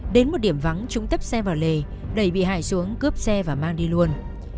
đến một điểm vắng chúng tấp xe vào lề đẩy bị hại xuống cướp xe và mang đi luôn